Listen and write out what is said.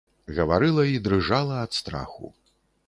Гаварыла і дрыжала ад страху.